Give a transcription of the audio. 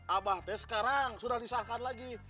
abah tes sekarang sudah disahkan lagi